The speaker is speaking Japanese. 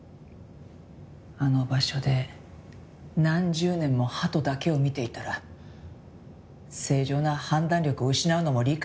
あの場所で何十年も鳩だけを見ていたら正常な判断力を失うのも理解できます。